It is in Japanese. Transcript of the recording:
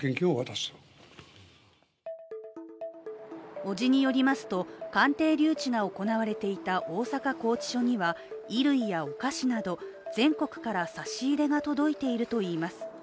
伯父によりますと、鑑定留置が行われていた大阪拘置所には衣類やお菓子など、全国から差し入れが届いているといいます。